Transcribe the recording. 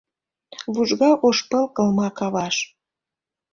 Вужга ош пыл кылма каваш.